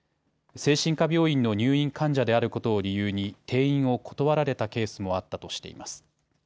精神科病院の入院患者であることを理由に転院を断られたケースもあったとしています。